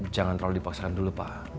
jangan terlalu dipaksakan dulu pak